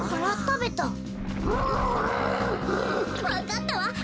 わかったわ。